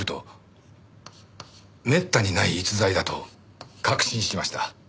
めったにない逸材だと確信しました。